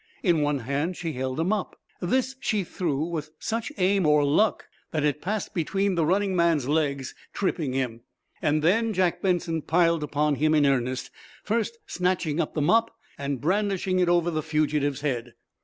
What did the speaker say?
In one hand she held a mop. This she threw with such aim or luck that it passed between the running man's legs, tripping him. And then Jack Benson piled upon him in earnest, first snatching up the mop and brandishing it over the fugitive's head.